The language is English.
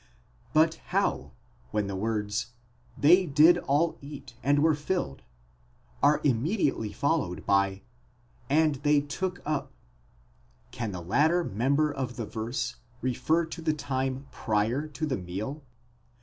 But how, when the words ἔφαγον καὶ ἐχορτάσθησαν πάντες, they did all cat and were filled, are immediately followed by καὶ ἦραν, and they took up, can the latter member of the verse refer to the time prior to the meal?